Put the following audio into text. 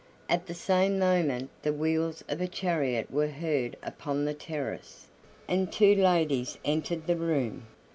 At the same moment the wheels of a chariot were heard upon the terrace, and two ladies entered the room.